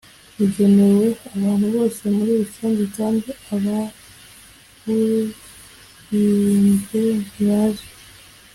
bugenewe abantu bose muri rusange kandi ababuhimbye ntibazwi